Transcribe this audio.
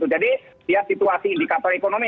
jadi dia situasi indikator ekonomi